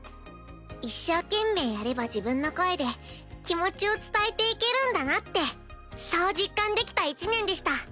一生懸命やれば自分の声で気持ちを伝えていけるんだなってそう実感できた１年でした。